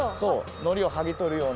のりをはぎとるようの。